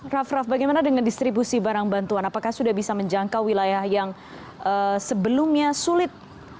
raff raff bagaimana dengan distribusi barang bantuan apakah sudah bisa menjangkau wilayah yang sebelumnya sulit